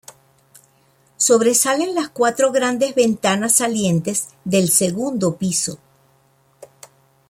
Sobresalen las cuatro grandes ventanas salientes del segundo piso.